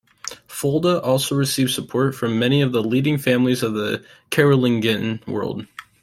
Fulda also received support from many of the leading families of the Carolingian world.